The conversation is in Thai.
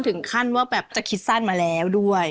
ถึงขั้นว่าแบบจะคิดสั้นมาแล้วด้วย